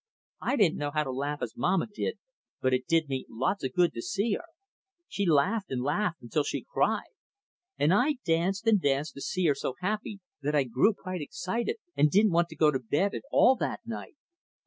I didn't know how to laugh as Mamma did, but it did me lots of good to see her. She laughed and laughed until she cried. And I danced and danced to see her so happy, that I grew quite excited and didn't want to go to bed at all that night.